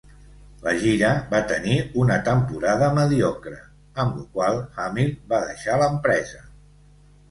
La gira va tenir una temporada mediocre, amb lo qual Hamill va deixar l'empresa.